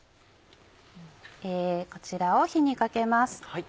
こちらを火にかけます。